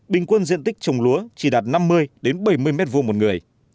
bình quân diện tích trồng lúa chỉ đạt năm mươi bảy mươi m hai một người